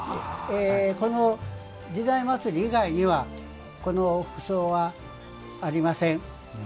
この「時代祭」以外にはこの服装はありません。